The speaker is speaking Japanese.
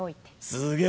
すげえ！